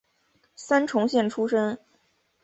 三重县出身。